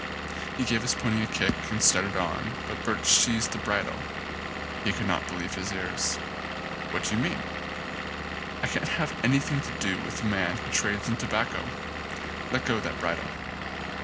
He gave his pony a kick and started on, but Birch seized the bridle. He could not believe his ears. "What do you mean?" 91 ON A CHINESE SCREEN "I can't have anything to do with a man who trades in tobacco. Let go that bridle."